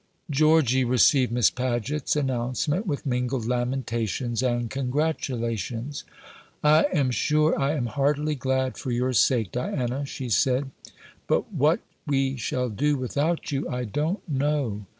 Georgy received Miss Paget's announcement with mingled lamentations and congratulations. "I am sure I am heartily glad for your sake, Diana," she said; "but what we shall do without you, I don't know.